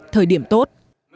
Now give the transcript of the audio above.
thời điểm tốt